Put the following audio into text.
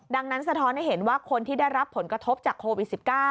ดังนั้นสะท้อนให้เห็นว่าคนที่ได้รับผลกระทบจากโควิด๑๙